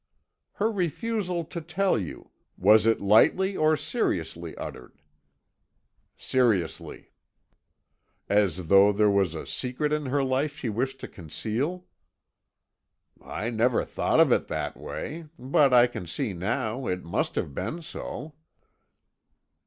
"Her refusal to tell you was it lightly or seriously uttered?" "Seriously." "As though there was a secret in her life she wished to conceal?" "I never thought of it in that way, but I can see now it must have been so."